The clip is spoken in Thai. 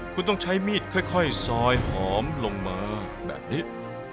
คุณต้องใช้มีดค่อยซอยหอมลงมาแบบนี้